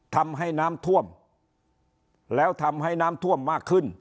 ทำให้น้ำท่วมแล้วทำให้น้ำท่วมมากขึ้น